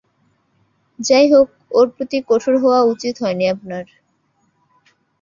যাই হোক, ওর প্রতি কঠোর হওয়া উচিত হয়নি আপনার।